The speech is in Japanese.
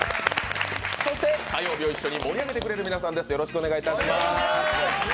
そして火曜日を一緒に盛り上げてくれる皆さんです。